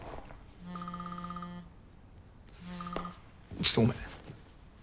ちょっとごめん。